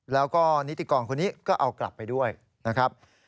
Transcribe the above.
แล้วก็นิติกรคนนี้ก็เอากลับไปด้วยนะครับ